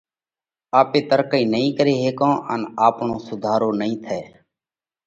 آپي ترقئِي نئين ڪري هيڪون ان آپڻو سُڌارو نئين ٿئہ۔